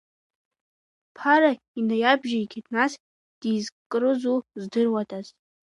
Ԥара инаиабжьеигеит, нас дизкрызу здыруадаз.